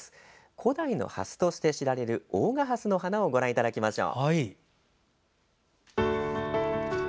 古代のハスとして知られる大賀ハスの花をご覧いただきましょう。